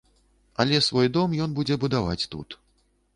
Але свой дом ён будзе будаваць тут.